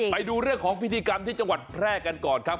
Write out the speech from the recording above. ไปดูเรื่องของพิธีกรรมที่จังหวัดแพร่กันก่อนครับ